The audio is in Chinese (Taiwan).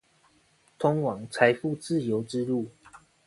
通往財富自由之路